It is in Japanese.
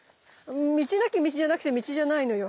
道なき道じゃなくて道じゃないのよ。